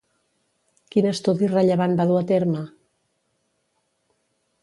Quin estudi rellevant va dur a terme?